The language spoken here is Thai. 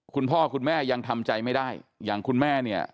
คุณพ่อคุณแม่ยังทำใจไม่ได้อย่างคุณแม่เนี่ย